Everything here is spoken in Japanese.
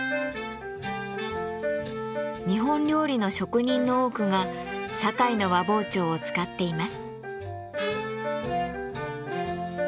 日本料理の職人の多くが堺の和包丁を使っています。